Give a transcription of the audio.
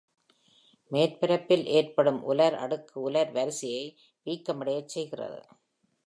மேற்பரப்பில் ஏற்படும் உலர் அடுக்கு உலர் வரிசையை வீக்கமடைய செய்கிறது.